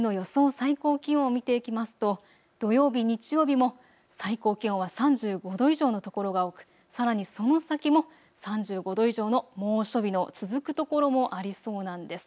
最高気温を見ていきますと土曜日、日曜日も最高気温は３５度以上の所が多くさらにその先も３５度以上の猛暑日の続く所もありそうなんです。